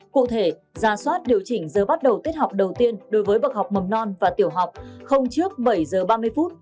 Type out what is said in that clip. cụ thể ra soát điều chỉnh giờ bắt đầu tiết học đầu tiên đối với bậc học mầm non và tiểu học không trước bảy giờ ba mươi phút